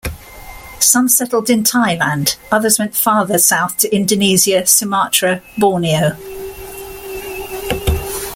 Some settled in Thailand, others went farther south to Indonesia, Sumatra, Borneo.